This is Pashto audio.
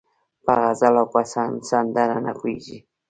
په غزل او په سندره نه پوهېږي